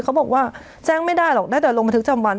เขาบอกว่าแจ้งไม่ได้หรอกได้แต่ลงบันทึกจำวัน